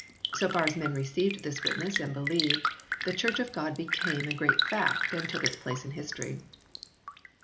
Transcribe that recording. So far as men received this witness and believed, the Church of God became a great fact and took its place in history.